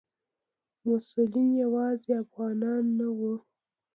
مسؤلین یوازې افغانان نه وو.